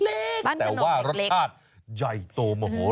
แต่ว่ารสชาติใหญ่โตเหมาะหัวหลังความอร่อย